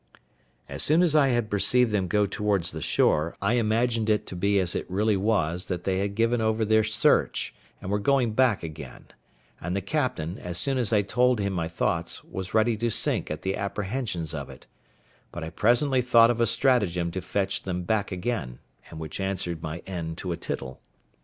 As soon as I perceived them go towards the shore, I imagined it to be as it really was that they had given over their search, and were going back again; and the captain, as soon as I told him my thoughts, was ready to sink at the apprehensions of it; but I presently thought of a stratagem to fetch them back again, and which answered my end to a tittle.